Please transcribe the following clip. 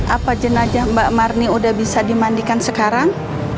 apa jenajah mbak marni udah bisa dimandikan sekarang